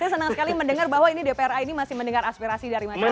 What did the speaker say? saya senang sekali mendengar bahwa ini dpra ini masih mendengar aspirasi dari masyarakat